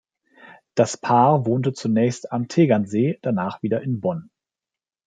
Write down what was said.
Das Paar wohnte zunächst am Tegernsee, danach wieder in Bonn.